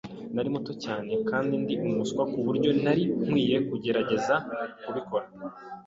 Nari muto cyane kandi ndi umuswa kuburyo ntari nkwiye kugerageza kubikora.